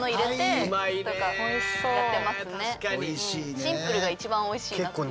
シンプルが一番おいしいなっていう。